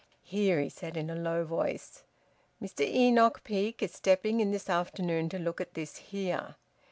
"Here!" he said, in a low voice. "Mr Enoch Peake is stepping in this afternoon to look at this here."